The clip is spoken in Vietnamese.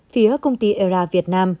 phía công ty era việt nam